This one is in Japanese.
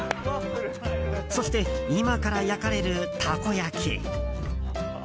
そして今から焼かれる、たこ焼き。